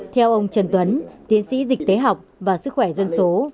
theo ông trần tuấn tiến sĩ dịch tế học và sức khỏe dân số